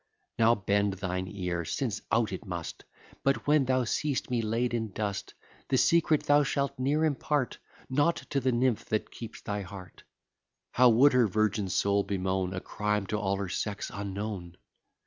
Now bend thine ear, since out it must; But, when thou seest me laid in dust, The secret thou shalt ne'er impart, Not to the nymph that keeps thy heart; (How would her virgin soul bemoan A crime to all her sex unknown!)